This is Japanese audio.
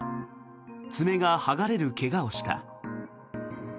爪が剥がれる怪我をした。